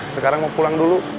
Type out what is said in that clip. sekarang mau pulang dulu